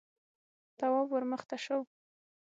تواب ور مخته شو: